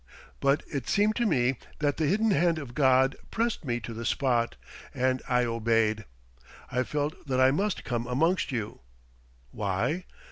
But it seemed to me that the hidden hand of God pressed me to the spot, and I obeyed. I felt that I must come amongst you. Why?